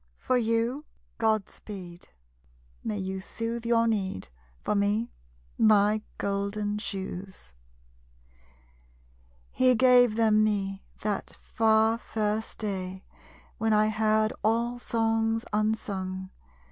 For you, Godspeed! May you soothe your need. For me, my golden shoes! _He gave them me, that far, first day When I heard all Songs unsung.